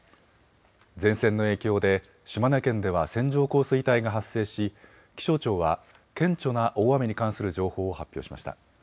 前線の影響で島根県では線状降水帯が発生し気象庁は顕著な大雨に関する情報を発表しました。